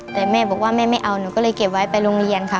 แต่แม่บอกว่าแม่ไม่เอาหนูก็เลยเก็บไว้ไปโรงเรียนค่ะ